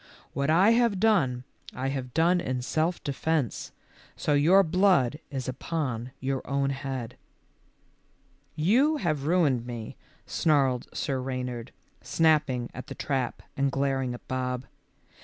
What I have done, I have done in self defence, so your blood is upon your own head." "You have ruined me," snarled Sir Reynard, snapping at the trap and glaring at Bob.